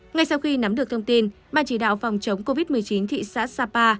ngay sau khi nắm được thông tin ban chỉ đạo phòng chống covid một mươi chín thị xã sapa